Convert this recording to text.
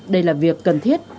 đây là việc cần thiết